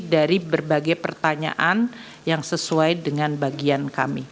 dari berbagai pertanyaan yang sesuai dengan bagian kami